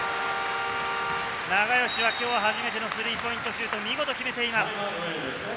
永吉は今日初めてのスリーポイントシュート、見事決めています。